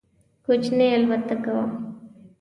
کوچنۍ الوتکه وه.